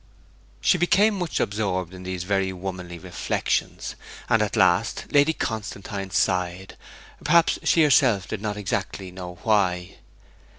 She became much absorbed in these very womanly reflections; and at last Lady Constantine sighed, perhaps she herself did not exactly know why.